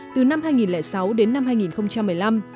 từ năm hai nghìn sáu đến năm hai nghìn một mươi năm